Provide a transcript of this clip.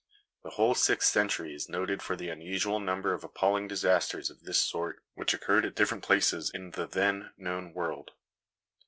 The whole sixth century is noted for the unusual number of appalling disasters of this sort which occurred at different places in the then known world.